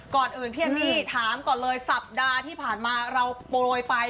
ก่อนอื่นพี่เอมมี่ถามก่อนเลยสัปดาห์ที่ผ่านมาเราโปรยไป